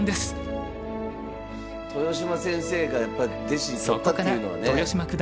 豊島先生がやっぱ弟子取ったっていうのはね。